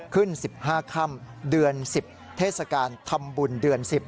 ขึ้น๑๕ค่ำเดือน๑๐เทศกาลทำบุญเดือน๑๐